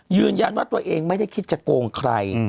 ยืนยันว่าตัวเองไม่ได้คิดจะโกงใคร